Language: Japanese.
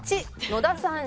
８野田さん